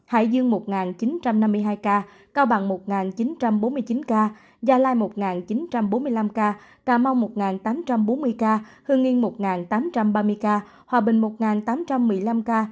hải dương một chín trăm năm mươi hai ca cao bằng một chín trăm bốn mươi chín ca gia lai một chín trăm bốn mươi năm ca cà mau một tám trăm bốn mươi ca hương yên một tám trăm ba mươi ca hòa bình một tám trăm một mươi năm ca